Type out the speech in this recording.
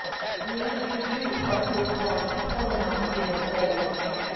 ["Will you do what reformed Polemon did of old?